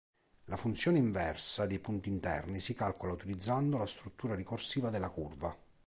La funzione inversa dei punti interni si calcola utilizzando la struttura ricorsiva della curva.